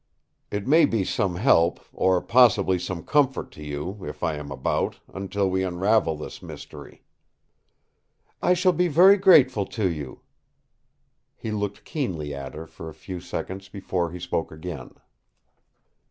It may be some help, or possibly some comfort to you, if I am about, until we unravel this mystery." "I shall be very grateful to you." He looked keenly at her for a few seconds before he spoke again.